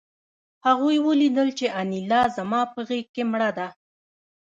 هغوی ولیدل چې انیلا زما په غېږ کې مړه ده